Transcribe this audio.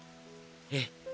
ええ。